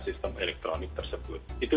sistem elektronik tersebut itu